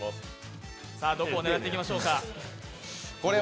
さあ、どこを狙っていきましょうか？